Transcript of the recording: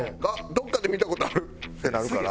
「どっかで見た事ある」ってなるから。